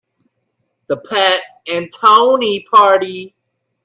The Pat Anthony Party.